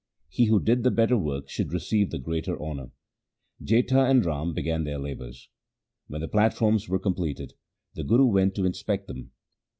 He who did the better work should receive the greater honour. Jetha and Rama began their labours. When the platforms were completed, the Guru went to inspect them.